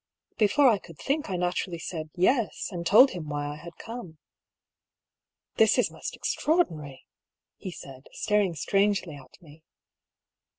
" Before I could think I naturally said " Yes," and told him why I had come. "This is most extraordinary," he said, staring strangely at me.